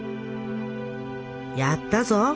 「やったぞ！